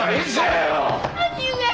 兄上！